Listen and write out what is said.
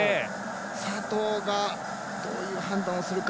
佐藤が、どういう判断するか。